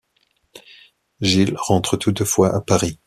Gilles rentre toutefois à Paris.